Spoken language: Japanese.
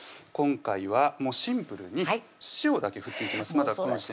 今回はもうシンプルに塩だけ振っていきます